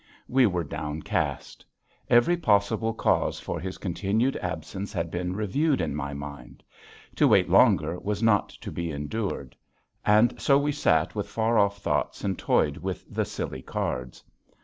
We were downcast. Every possible cause for his continued absence had been reviewed in my mind. To wait longer was not to be endured. And so we sat with far off thoughts and toyed with the silly cards.